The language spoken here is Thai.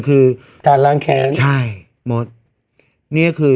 เกิดการหลอน